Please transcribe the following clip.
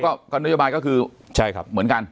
การโดยบาลก็คือเหมือนกัน